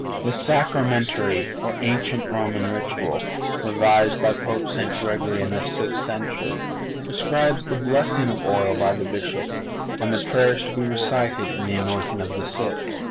(486) The Sacramentary, or ancient Roman Ritual, revised by Pope St. Gregory in the sixth century, prescribes the blessing of oil by the Bishop, and the prayers to be recited in the anointing of the sick.